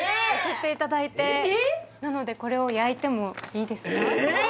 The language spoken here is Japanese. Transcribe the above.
送っていただいてなのでこれを焼いてもいいですか？